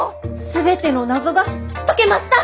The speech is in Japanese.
全ての謎が解けました！